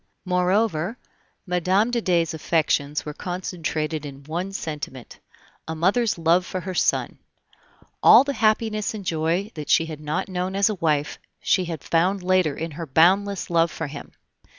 Moreover, Mme. de Dey's affections were concentrated in one sentiment a mother's love for her son. All the happiness and joy that she had not known as a wife, she had found later in her boundless love for him.